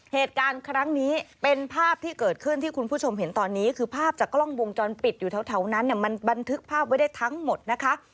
เหตุการณ์ครั้งนี้เป็นภาพที่เกิดขึ้นที่คุณผู้ชมเห็นตอนนี้คือภาพจากกล้องวงจรปิดอยู่แถวนั้นเนี่ยมันบันทึกภาพไว้ได้ทั้งหมดนะคะ